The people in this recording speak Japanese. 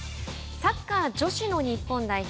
サッカー女子の日本代表